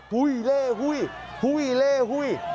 หุ้ยเล่หุ้ยหุ้ยเล่หุ้ย